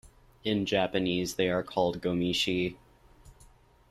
In Japanese, they are called "gomishi".